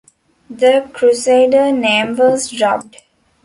The Crusader name was dropped.